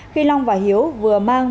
khi long và hiếu vừa mang